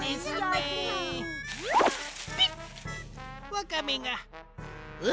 ワカメが。